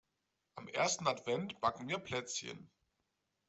Am ersten Advent backen wir Plätzchen.